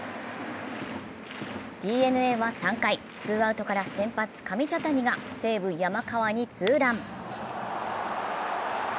ＤｅＮＡは３回、ツーアウトから先発・上茶谷が西武・山川にツーラン。